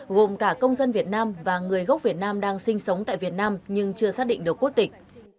gồm cả công dân việt nam và người gốc việt nam đang sinh sống tại việt nam nhưng chưa xác định được quốc tịch